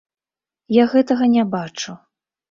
Я гэтага не бачу.